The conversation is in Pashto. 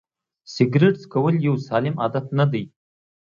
سیګرېټ څکول یو سالم عادت نه دی.